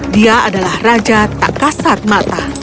dia adalah raja tak kasat mata